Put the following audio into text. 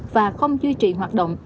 và không duy trì hoạt động